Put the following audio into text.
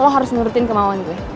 lo harus nurutin kemauan gue